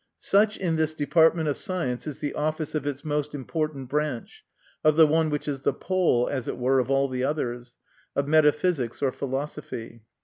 Such in this department of science is the office of its most important branch of the one which is the pole, as it were, of all the others of metaphysics or philosophy.